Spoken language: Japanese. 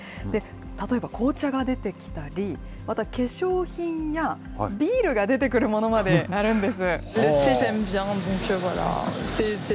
例えば紅茶が出てきたり、また化粧品や、ビールが出てくるものまであるんです。